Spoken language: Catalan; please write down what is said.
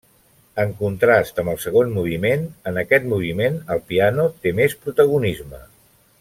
En contrast amb el segon moviment, en aquest moviment el piano té més protagonisme.